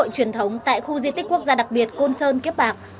truyền thống tại khu di tích quốc gia đặc biệt côn sơn kiếp bạc